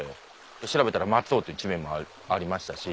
調べたら松尾っていう地名もありましたし。